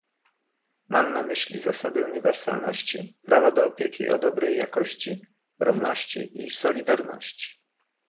Mam na myśli zasady uniwersalności, prawa do opieki o dobrej jakości, równości i solidarności